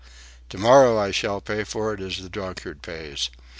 To morrow I shall pay for it as the drunkard pays.